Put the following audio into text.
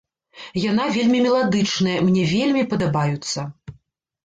Яна вельмі меладычныя, мне вельмі падабаюцца.